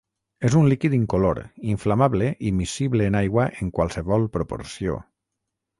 És un líquid incolor, inflamable i miscible en aigua en qualsevol proporció.